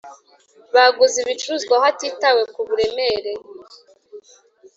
Baguze ibicuruzwa hatitawe ku buremere.